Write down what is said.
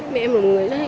mẹ em là một người